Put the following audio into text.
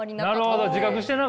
なるほど自覚してなかった。